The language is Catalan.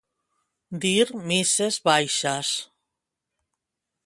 Dir misses baixes.